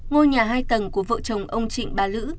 ngôi nhà hai tầng của vợ chồng ông trịnh bá lữ